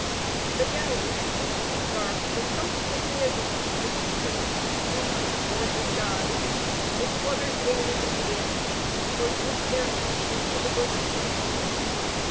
The galley in which he embarked was sumptuously adorned with pendants and streamers of gorgeous dyes, which fluttered gayly in the wind, or drooped their ends into the bosom of the stream.